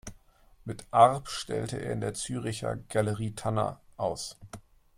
Mit Arp stellte er in der Zürcher "Galerie Tanner" aus.